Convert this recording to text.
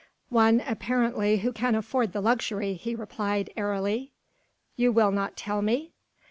"One apparently who can afford the luxury," he replied airily. "You will not tell me?"